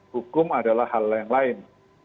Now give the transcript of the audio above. hukum adalah hal yang lain